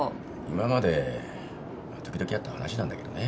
今まで時々あった話なんだけどね。